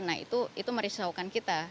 nah itu merisaukan kita